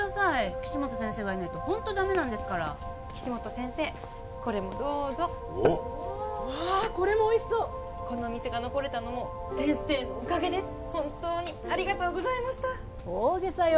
岸本先生がいないとホントダメなんですから岸本先生これもどうぞおっわっこれもおいしそうこの店が残れたのも先生のおかげです本当にありがとうございました大げさよ